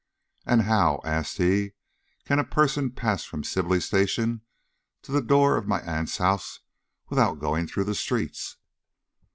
"And how," asked he, "can a person pass from Sibley Station to the door of my aunt's house without going through the streets?"